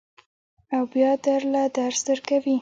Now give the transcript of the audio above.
او بیا در له درس درکوي.